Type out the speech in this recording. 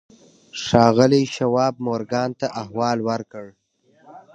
ښاغلي شواب مورګان ته احوال ورکړ.